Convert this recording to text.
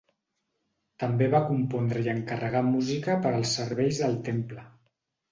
També va compondre i encarregar música per als serveis del Temple.